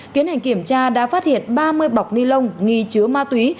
tiến hành kiểm tra đã phát hiện ba mươi bọc ni lông nghi chứa ma túy